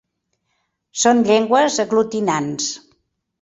Són llengües aglutinants.